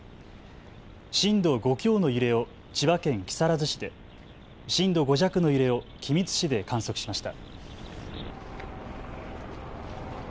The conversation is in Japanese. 震度５強の揺れを千葉県木更津市で、震度５弱の揺れを君津市で観測しました。